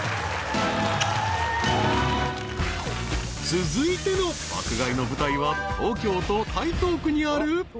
［続いての爆買いの舞台は東京都台東区にある］